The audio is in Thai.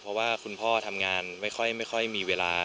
เพราะว่าคุณพ่อทำงานไม่ค่อยมีเวลา